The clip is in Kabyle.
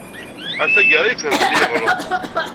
Ɣer tagara yefhem belli yeɣleḍ.